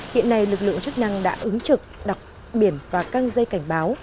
hiện nay lực lượng chức năng đã ứng trực đọc biển và căng dây cảnh báo